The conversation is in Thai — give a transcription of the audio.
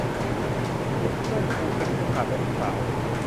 เพื่อนครูคณิตศาสตร์และลูกสาว